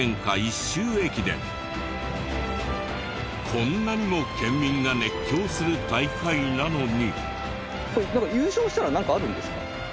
こんなにも県民が熱狂する大会なのに。